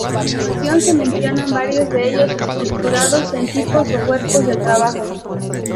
A continuación se mencionan varios de ellos, estructurados en tipos o cuerpos de trabajo.